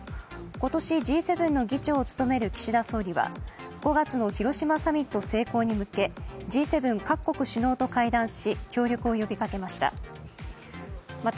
今年、Ｇ７の議長を務める岸田総理は５月の広島サミット成功に向けＧ７各国首脳と会談し協力を呼びかけました。